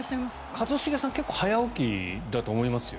一茂さんは結構早起きだと思いますよ。